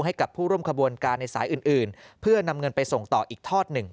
ให้กับผู้ร่วมขบวนการในสายอื่นเพื่อนำเงินไปส่งต่ออีกทอดหนึ่ง